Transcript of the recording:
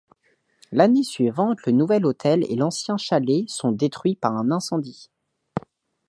L'année suivante le nouvel hôtel et l'ancien chalet sont détruits par un incendie.